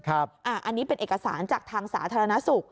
อันนี้เป็นเอกสารจากทางสาธารณสุข